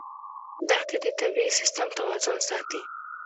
دښتې د طبعي سیسټم توازن ساتي.